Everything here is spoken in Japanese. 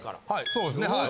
そうですねはい。